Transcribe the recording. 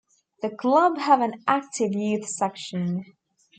The club have an active youth section.